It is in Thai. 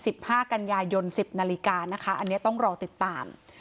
ห้ากันยายนสิบนาฬิกานะคะอันนี้ต้องรอติดตาม